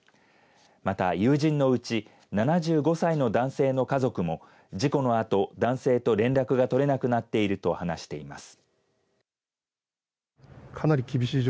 また友人のうち７５歳の男性の家族も事故のあと男性と連絡が取れなくなっていると話しています。